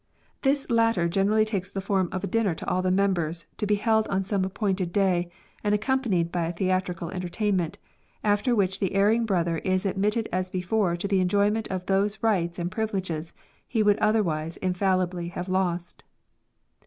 This latter generally takes the GUILDS. 51 form of a dinner to all the members, to be held on some appointed day and accompanied by a theatrical entertainment, after which the erring brother is ad mitted as before to the enjoyment of those rights and privileges he would otherwise infallibly have lost.